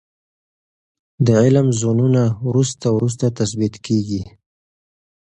د علم زونونه وروسته وروسته تثبیت کیږي.